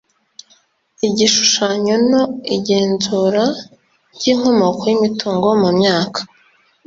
Igishushanyo No Igenzura ry inkomoko y imitungo mu myaka